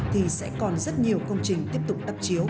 thì sẽ còn rất nhiều công trình tiếp tục đắp chiếu